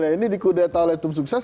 nah ini dikudeta oleh tim sukses